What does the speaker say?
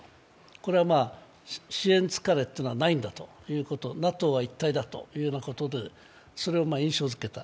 これは支援疲れというのはないんだということ、ＮＡＴＯは一体だということでそれを印象づけた。